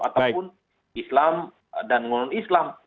ataupun islam dan non islam